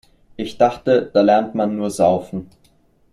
Ich dachte, da lernt man nur Saufen.